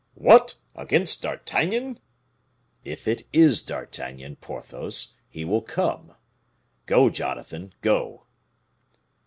"What! against D'Artagnan?" "If it is D'Artagnan, Porthos, he will come. Go, Jonathan, go!"